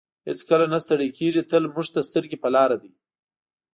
هېڅکله نه ستړی کیږي تل موږ ته سترګې په لار دی.